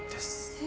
え。